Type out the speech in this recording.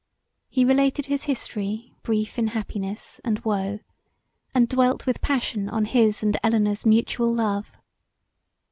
He related his history brief in happiness and woe and dwelt with passion on his and Elinor's mutual love.